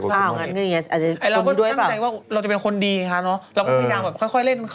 เราก็คิดว่าเราจะเป็นคนดีค่ะเราก็พยายามค่อยเล่น